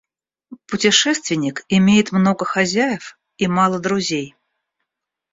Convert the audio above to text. Путешественник имеет много хозяев и мало друзей.